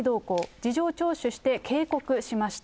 事情聴取して、警告しました。